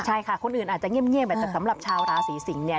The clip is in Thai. ใช่ค่ะคนอื่นอาจจะเงียบแต่สำหรับชาวราศีสิงศ์เนี่ย